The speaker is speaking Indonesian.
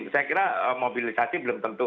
saya kira mobilisasi belum tentu